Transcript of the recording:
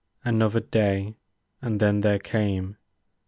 Another day, and then there came.